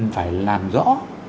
phải làm rõ